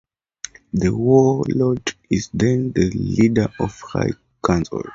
The Warlord is then the leader of the High Council.